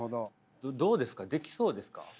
どうですかできそうですか？